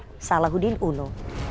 sandiaga salahuddin uno